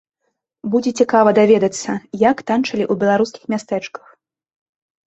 Будзе цікава даведацца, як танчылі ў беларускіх мястэчках.